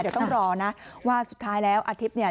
เดี๋ยวต้องรอนะว่าสุดท้ายแล้วอาทิตย์เนี่ย